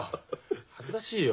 恥ずかしいよ。